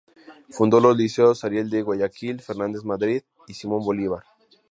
Fundó los liceos Ariel de Guayaquil, Fernández Madrid y Simón Bolívar.